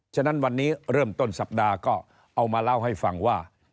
ฉะนั้นวันนี้เริ่มต้นสัปดาห์ก็เอามาเล่าให้ฟังว่า